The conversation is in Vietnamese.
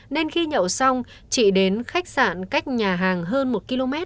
nên khi nhậu xong chị đến khách sạn cách nhà hàng hơn một km